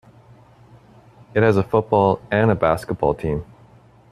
It has a football and a basketball team.